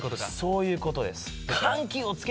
そういう事です。